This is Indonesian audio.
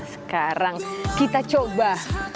sekarang kita coba